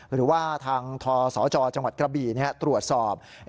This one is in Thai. หรือว่าทางทศจจังหวัดกระบี่ตรวจสอบ